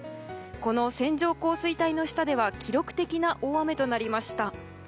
この線状降水帯の下では記録的な大雨となりました。